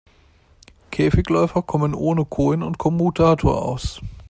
Käfigläufer kommen ohne Kohlen und Kommutator aus.